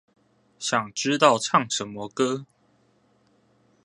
想知道唱什麼歌